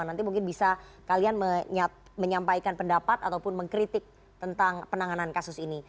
nanti mungkin bisa kalian menyampaikan pendapat ataupun mengkritik tentang penanganan kasus ini